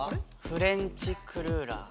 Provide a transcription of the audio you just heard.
フレンチクルーラー。